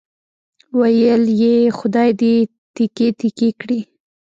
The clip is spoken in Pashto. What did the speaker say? ویل یې خدای دې تیکې تیکې کړي.